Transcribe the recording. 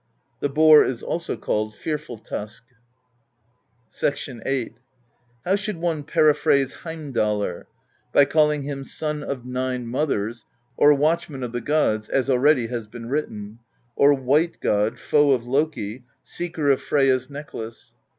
The boar is also called Fearful Tusk. VIII. "How should one periphrase Heimdallr? By calling him Son of Nine Mothers, or Watchman of the Gods, as already has been written; or White God, Foe of Loki, Seeker of Freyja's Necklace.